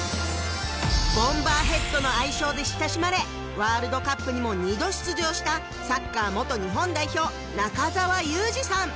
ボンバーヘッドの愛称で親しまれワールドカップにも２度出場したサッカー元日本代表「中澤佑二さん」